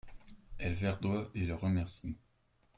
Elle verdoie et le remercie.